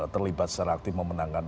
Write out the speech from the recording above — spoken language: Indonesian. terlibat secara aktif memenangkan